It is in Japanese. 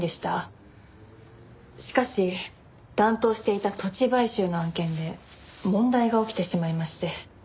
しかし担当していた土地買収の案件で問題が起きてしまいまして。